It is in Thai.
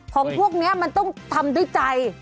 ของพวกนี้มันต้องทำด้วยใจ